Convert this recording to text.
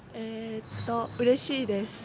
うれしいです！